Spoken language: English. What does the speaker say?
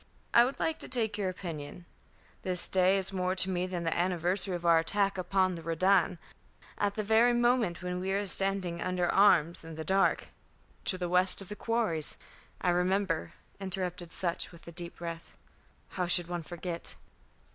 "I would like to take your opinion. This day is more to me than the anniversary of our attack upon the Redan. At the very moment when we were standing under arms in the dark " "To the west of the quarries; I remember," interrupted Sutch, with a deep breath. "How should one forget?"